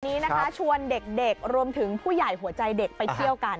วันนี้นะคะชวนเด็กรวมถึงผู้ใหญ่หัวใจเด็กไปเที่ยวกัน